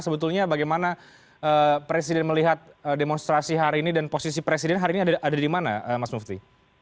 sebetulnya bagaimana presiden melihat demonstrasi hari ini dan posisi presiden hari ini ada di mana mas mufti